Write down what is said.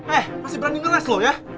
eh masih berani ngeres lo ya